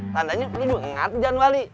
tandanya lu juga ngerti jalan wali